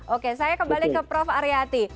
oke saya kembali ke prof aryati